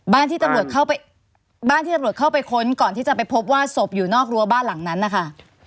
ที่ตำรวจเข้าไปบ้านที่ตำรวจเข้าไปค้นก่อนที่จะไปพบว่าศพอยู่นอกรั้วบ้านหลังนั้นนะคะ